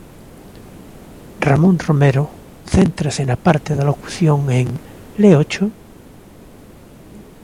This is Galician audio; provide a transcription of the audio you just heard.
Ramón Romero céntrase na parte da locución en 'Léocho?'.